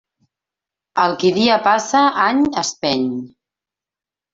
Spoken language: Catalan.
El qui dia passa, any espeny.